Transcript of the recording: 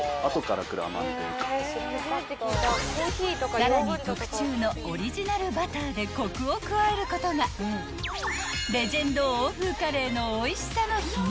［さらに特注のオリジナルバターでコクを加えることがレジェンド欧風カレーのおいしさの秘密］